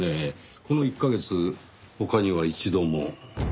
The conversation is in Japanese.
この１カ月他には一度も。